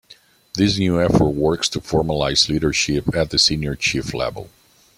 This new effort works to formalize leadership at the senior chief level.